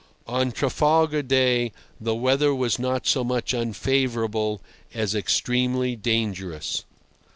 On Trafalgar Day the weather was not so much unfavourable as extremely dangerous.